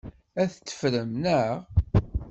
Ad t-teffrem, naɣ?